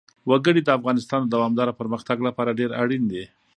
وګړي د افغانستان د دوامداره پرمختګ لپاره ډېر اړین دي.